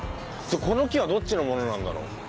じゃあこの木はどっちのものなんだろう？